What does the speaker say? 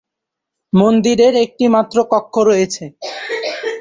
মন্দিরের একটি মাত্র কক্ষ রয়েছে।